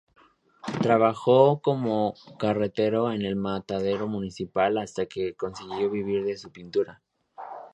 Trabajó como carretero en el matadero municipal hasta que consiguió vivir de su pintura.